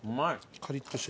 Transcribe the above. カリッとしてて。